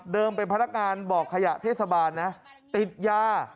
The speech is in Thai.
เป็นพนักงานบอกขยะเทศบาลนะติดยา